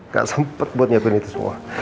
gak sempet buat siapin itu semua